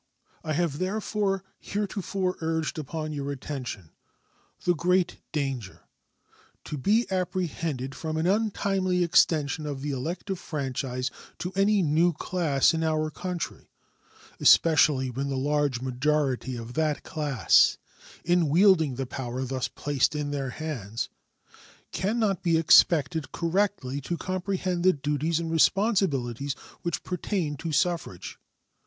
I have therefore heretofore urged upon your attention the great danger to be apprehended from an untimely extension of the elective franchise to any new class in our country, especially when the large majority of that class, in wielding the power thus placed in their hands, can not be expected correctly to comprehend the duties and responsibilities which pertain to suffrage.